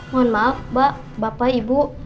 mohon maaf mbak bapak ibu